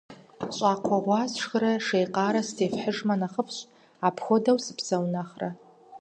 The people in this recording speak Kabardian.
Щӏакхъуэ гъуа сшхырэ шей къарэ сытефыхьыжмэ нэхъыфӏщ, апхуэдэу сыпсэу нэхърэ.